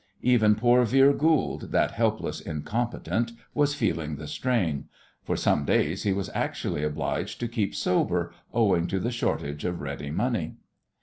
Even poor Vere Goold, that helpless incompetent, was feeling the strain. For some days he was actually obliged to keep sober owing to the shortage of ready money.